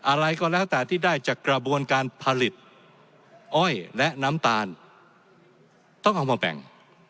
อะไรก็แล้วแต่ที่ได้จากกระบวนการผลิตอ้อยและน้ำตาลต้องเอามาแบ่ง